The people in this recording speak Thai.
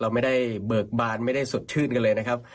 เราไม่ได้เบิกบานไม่ได้สดชื่นกันเลยนะครับ